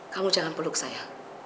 kamu jangan peluk saya